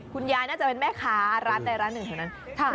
น่าจะเป็นแม่ค้าร้านใดร้านหนึ่งแถวนั้น